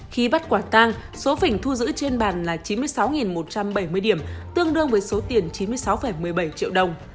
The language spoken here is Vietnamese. khi bắt quả tang số phỉnh thu giữ trên bàn là chín mươi sáu một trăm bảy mươi điểm tương đương với số tiền chín mươi sáu một mươi bảy triệu đồng